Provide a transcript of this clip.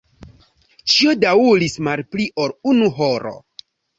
Ĉio daŭris malpli ol unu horo.